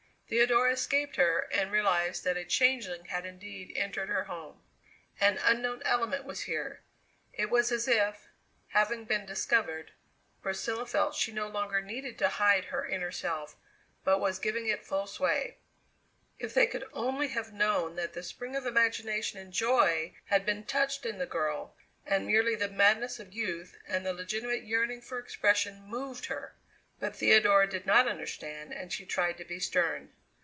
Theodora escaped her, and realized that a changeling had indeed entered her home. An unknown element was here. It was as if, having been discovered, Priscilla felt she no longer needed to hide her inner self, but was giving it full sway. If they could only have known that the spring of imagination and joy had been touched in the girl and merely the madness of youth and the legitimate yearning for expression moved her! But Theodora did not understand and she tried to be stern.